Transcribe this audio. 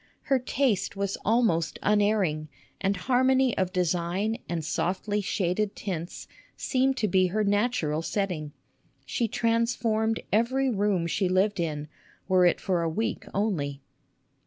Her taste was almost unerring, and harmony of design and softly shaded tints seemed to be her natural setting. She transformed every room she lived in, were it for a week only.